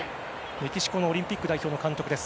メキシコのオリンピック代表の監督です。